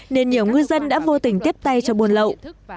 nên nhiều ngư dân đã vô tình tiếp tay cho buôn lậu